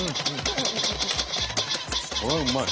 これはうまい！